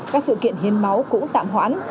các sự kiện hiến máu cũng tạm hoãn